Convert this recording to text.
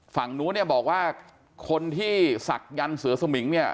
ฝั่งนู้นเนี่ยบอกว่าคนที่ศักดิ์เสือสมิงเนี่ย